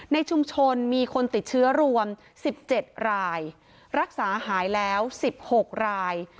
ในชุมชนมีคนติดเชื้อรวม๑๗รายรักษาหายแล้ว๑๖ราย